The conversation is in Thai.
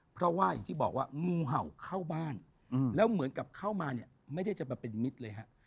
เพราะว่าอย่างที่บอกว่างูเห่าเข้าบ้านแล้วเหมือนกับเข้ามาเนี่ยไม่ได้จะมาเป็นมิตรเลยฮะ